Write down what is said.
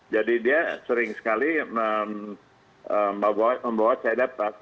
jadi dia sering sekali membawa saya dapat